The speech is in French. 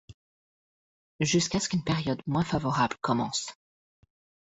Jusqu'à ce qu'une période moins favorable commence.